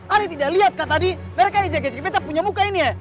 ali tidak lihat kan tadi mereka ini jaga jaga betapunya muka ini ya